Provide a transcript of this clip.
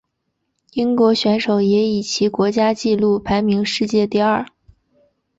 英国选手也以其国家纪录排名世界第二。